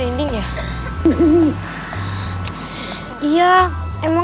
penting buat teman peman